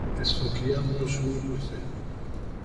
Es verkehren nur Schulbusse.